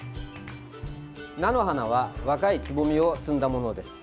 菜の花は若いつぼみを摘んだものです。